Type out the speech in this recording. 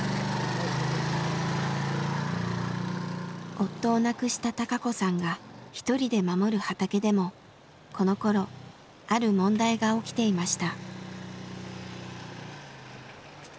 夫を亡くした孝子さんが１人で守る畑でもこのころある問題が起きていました。